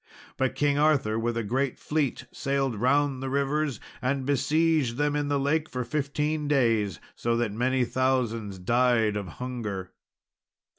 But King Arthur with a great fleet sailed round the rivers and besieged them in the lake for fifteen days, so that many thousands died of hunger.